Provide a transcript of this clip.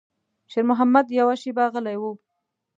شېرمحمد يوه شېبه غلی و.